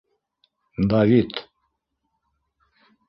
Давид!